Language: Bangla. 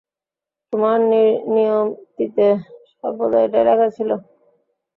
তোমার নিয়তিতে সর্বদা এটাই লেখা ছিলো।